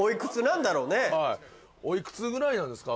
おいくつぐらいなんですか？